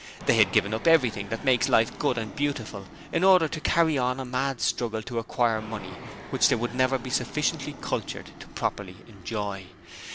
They had given up everything that makes life good and beautiful, in order to carry on a mad struggle to acquire money which they would never be sufficiently cultured to properly enjoy.